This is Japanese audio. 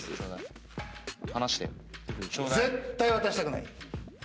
絶対渡したくない。